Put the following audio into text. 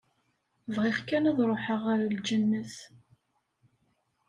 Bɣiɣ kan ad ṛuḥeɣ ɣer lǧennet.